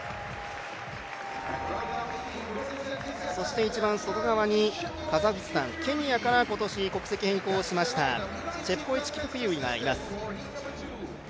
そして、一番外側にカザフスタン、ケニアから今年国籍変更しましたチェプコエチ・キプキルイがいます。